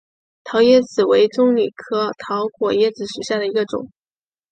桃椰子为棕榈科桃果椰子属下的一个种。